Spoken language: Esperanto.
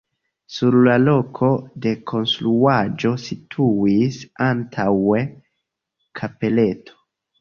Sur loko de konstruaĵo situis antaŭe kapeleto.